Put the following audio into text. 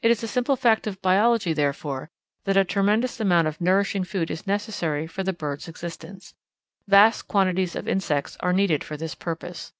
It is a simple fact of biology, therefore, that a tremendous amount of nourishing food is necessary for the bird's existence. Vast quantities of insects are needed for this purpose.